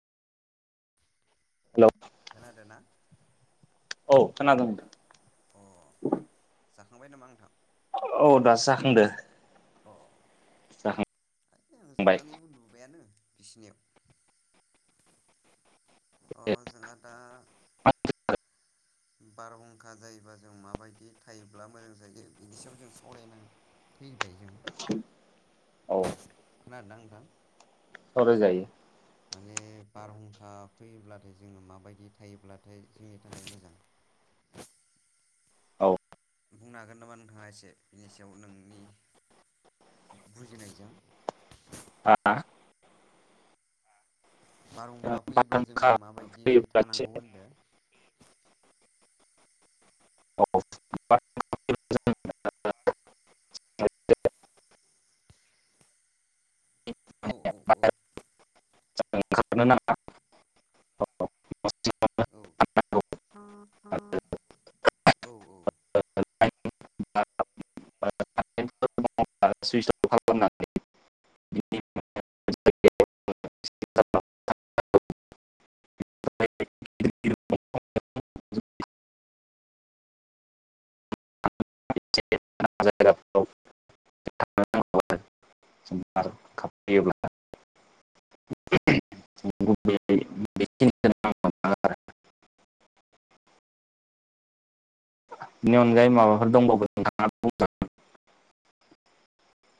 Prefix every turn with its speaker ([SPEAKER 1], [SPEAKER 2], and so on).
[SPEAKER 1] Hello
[SPEAKER 2] खोनादोना
[SPEAKER 1] औ खोनादों नोथां
[SPEAKER 2] अ जाखांबाय नामा नोंथां?
[SPEAKER 1] औ दासो जाखांदों
[SPEAKER 2] अ आं
[SPEAKER 1] जाखांबाय
[SPEAKER 2] जानानै उन्दुबायानो बिसिनायाव अ जोंङा दा बारहुंखा जायोबा जों माबायदि थायोब्ला मोजां जायो बिनि सायाव जों सावरायनाङो फैबाय जों
[SPEAKER 1] औ
[SPEAKER 2] खोनादोंना नोंथां
[SPEAKER 1] सावराय जायो
[SPEAKER 2] माने बारहुंखा फैयोब्लाथाय जोङो माबायदि थायोब्लाथाय जोंनि थाखाय मोजां
[SPEAKER 1] औ
[SPEAKER 2] बुंनो हागोन नामा नोंथाङा? एसे बिनि सायाव नोंनि बुजिनायजों
[SPEAKER 1] हा
[SPEAKER 2] बार हुंखाफैयोब्ला जोङो
[SPEAKER 1] बारहुंखा
[SPEAKER 2] माबायदि
[SPEAKER 1] फैयोब्ला एसे
[SPEAKER 2] थानांगौ होनदों
[SPEAKER 1] ओंखारनो
[SPEAKER 2] औ औ औ
[SPEAKER 1] नाङा
[SPEAKER 2] औ औ औ औ
[SPEAKER 1] आं सुस अब खालाम दों आं लांदां जायगाफ्राव बारहुंखा फैयोब्ला बेनि अनगायै माबाफोर दंबावो बा नोंथां बुं